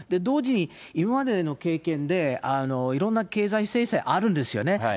同時に、今までの経験でいろんな経済制裁あるんですよね。